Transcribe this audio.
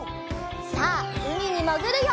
さあうみにもぐるよ！